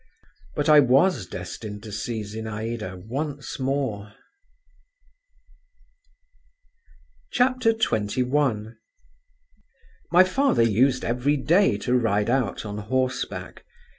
But I was destined to see Zinaïda once more. XXI My father used every day to ride out on horse back.